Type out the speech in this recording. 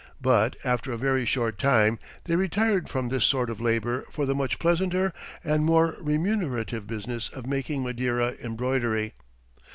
But, after a very short time, they retired from this sort of labour for the much pleasanter and more remunerative business of making Madeira embroidery.